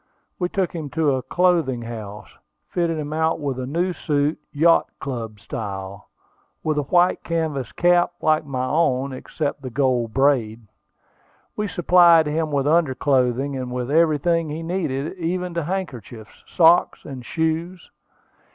We took him to a clothing house, fitted him out with a new suit, yacht club style, with a white canvas cap like my own, except the gold band. We supplied him with under clothing, and with everything he needed, even to handkerchiefs, socks, and shoes.